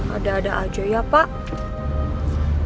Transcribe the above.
ada ada aja ya pak